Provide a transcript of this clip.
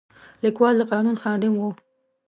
لیکوال د قانون خادم و.